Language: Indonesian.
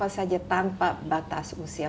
apa saja tanpa batas usia